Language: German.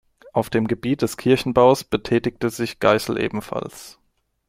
Auf dem Gebiet des Kirchenbaus betätigte sich Geissel ebenfalls.